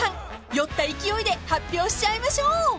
［酔った勢いで発表しちゃいましょう］